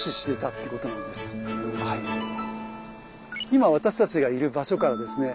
今私たちがいる場所からですね